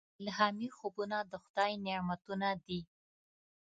الهامي خوبونه د خدای نعمتونه دي.